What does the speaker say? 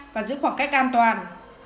và giữ khoảng cách an toàn